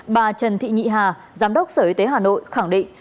bà trần thị nhị hà giám đốc sở y tế hà nội khẳng định